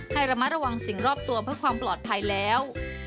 ให้ระมัดระวังสิ่งรอบตัวเพื่อความปลอดภัยแล้ว